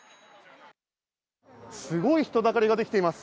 すごい人だかりが出来ています。